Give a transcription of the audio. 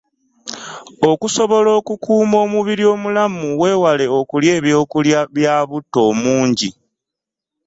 Okusobola okukuuma omubiri omulamu wewale okulya ebyokulya bya butto omungi.